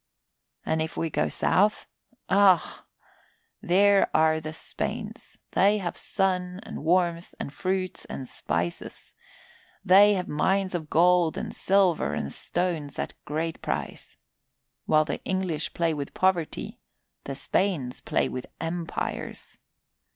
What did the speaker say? "And if we go south? Ah h h! There are the Spains! They have sun and warmth and fruits and spices! They have mines of gold and silver and stones of great price. While the English play with poverty, the Spains play with empires!